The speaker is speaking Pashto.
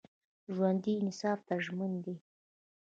ژوندي انصاف ته ژمن دي